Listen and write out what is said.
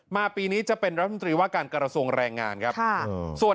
มาปีนี้จะเป็นรัฐมนตรีว่าการกระสุนแรงงานครับครับค่ะส่วน